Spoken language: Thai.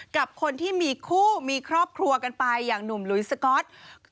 กับคนที่มีคู่มีครอบครัวกันไปอย่างหนุ่มหลุยสก๊อต